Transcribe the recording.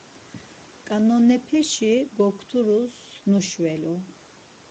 Ǩanonepeşi gokturus nuşvelu.